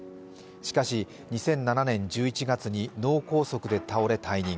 しかし、２００７年１１月に脳梗塞で倒れ退任。